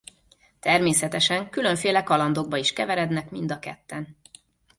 Természetesen különféle kalandokba is keverednek mind a ketten.